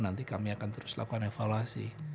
nanti kami akan terus lakukan evaluasi